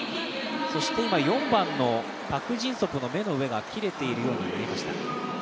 そして４番のパク・ジンソプの目の上が切れているように見えました。